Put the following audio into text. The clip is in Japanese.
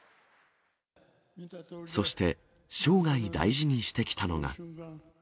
そして、生涯大事にしてきたのが。